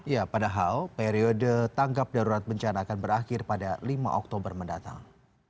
ya padahal periode tanggap darurat bencana akan berakhir pada lima oktober mendatang